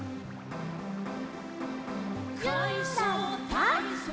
「かいそうたいそう」